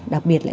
đặc biệt là